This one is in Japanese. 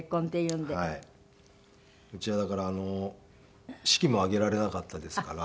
うちはだから式も挙げられなかったですから。